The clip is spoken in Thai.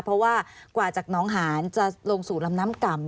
เพราะว่ากว่าจากน้องหานจะลงสู่ลำน้ำก่ำ